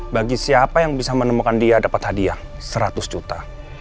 bagi siapa yang bisa menemukan dia dapat hadiah seratus juta